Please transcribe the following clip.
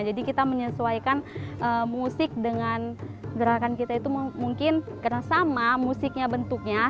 jadi kita menyesuaikan musik dengan gerakan kita itu mungkin karena sama musiknya bentuknya